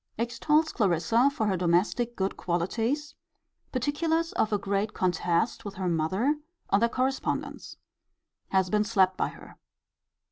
Extols Clarissa for her domestic good qualities. Particulars of a great contest with her mother, on their correspondence. Has been slapt by her.